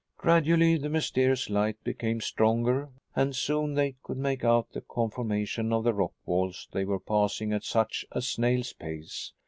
Gradually the mysterious light became stronger and soon they could make out the conformation of the rock walls they were passing at such a snail's pace.